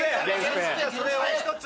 それを１つ。